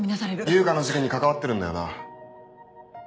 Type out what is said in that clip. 悠香の事件に関わってるんだよな？